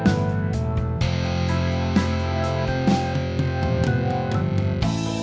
aku mah nyam mauvais mungkin